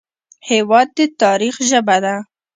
هېواد د تاریخ ژبه ده.